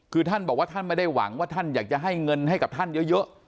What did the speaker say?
คือท่านบอกว่าท่านไม่ได้หวังว่าท่านอยากจะให้เงินให้กับท่านเยอะ